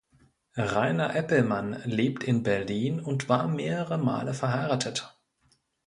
Rainer Eppelmann lebt in Berlin und war mehrere Male verheiratet.